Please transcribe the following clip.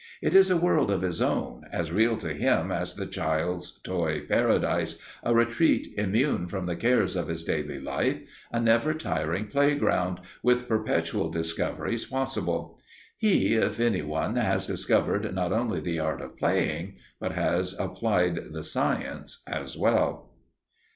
It is a world of his own, as real to him as the child's toy paradise, a retreat immune from the cares of his daily life, a never tiring playground, with perpetual discoveries possible. He, if any one, has discovered not only the art of playing, but has applied the science as well!